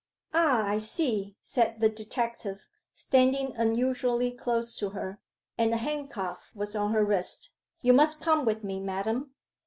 'Ah I see,' said the detective, standing unusually close to her: and a handcuff was on her wrist. 'You must come with me, madam.